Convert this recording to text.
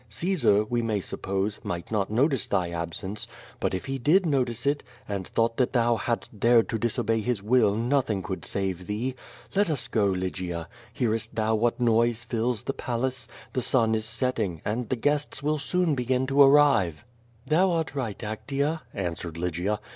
Caesar, we may suppose, might not notice thy ab sence, but if he did notice it, and thought that thou hadst dared to disobey his will nothing could save thee. Let us go, Lygia. Hearest thou what noise fills the palace? The sun is setting, and the guests will soon begin to arrive." "Thou art right, Actea," answered Lygia.